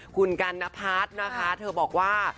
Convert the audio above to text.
คุณกันนภาษนะคะเธอบอกว่า